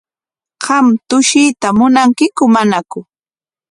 ¿Qam tushuyta munankiku manaku?